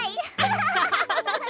ハハハハ。